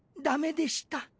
ダメでした。